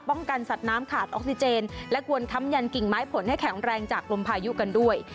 กันสัตว์น้ำขาดออกซิเจนและควรค้ำยันกิ่งไม้ผลให้แข็งแรงจากลมพายุกันด้วย